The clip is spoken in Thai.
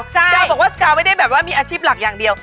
กาบอกว่าสกาวไม่ได้แบบว่ามีอาชีพหลักอย่างเดียว